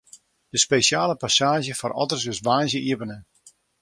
De spesjale passaazje foar otters is woansdei iepene.